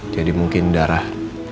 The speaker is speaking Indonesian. jadi mungkin darah